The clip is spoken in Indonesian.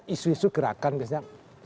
isu isu gerakan biasanya